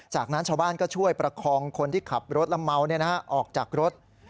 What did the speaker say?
จากนั้นชาวบ้านก็ช่วยประคองคนที่ขับรถและเมาออกจากรถ